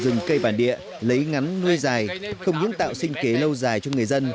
rừng cây bản địa lấy ngắn nuôi dài không những tạo sinh kế lâu dài cho người dân